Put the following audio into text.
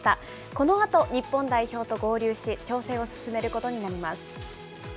このあと、日本代表と合流し、調整を進めることになります。